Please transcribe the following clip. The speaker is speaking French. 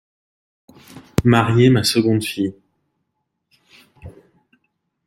Marier ma seconde fille.